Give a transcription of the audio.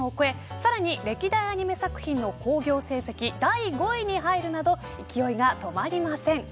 さらに歴代アニメ作品の興行成績第５位に入るなど勢いが止まりません。